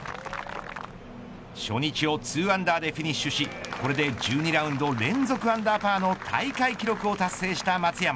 初日を２アンダーでフィニッシュしこれで１２ラウンド連続アンダーパーの大会記録を達成した松山。